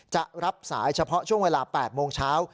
จะรับสายเฉพาะช่วงเวลา๘โมงเช้า